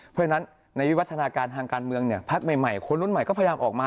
เพราะฉะนั้นในวิวัฒนาการทางการเมืองเนี่ยพักใหม่คนรุ่นใหม่ก็พยายามออกมา